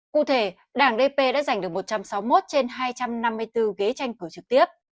cụ thể đảng dp đã giành được một trăm sáu mươi một trên hai trăm năm mươi bốn ghế tranh cử trực tiếp